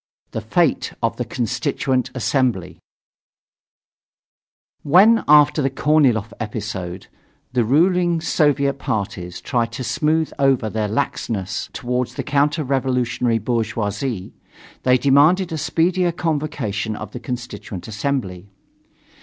THE FATE OF THE CONSTITUENT ASSEMBLY When, after the Korniloff episode, the ruling Soviet parties tried to smooth over their laxness toward the counter revolutionary bourgeoisie, they demanded a speedier convocation of the Constituent Assembly.